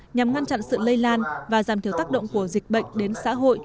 nhằm ngăn chặn sự lây lan và giảm thiểu tác động của dịch bệnh đến xã hội